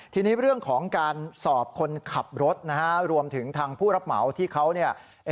ทีนี้เรื่องของการสอบคนขับรถนะฮะรวมถึงทางผู้รับเหมาที่เขาเนี่ย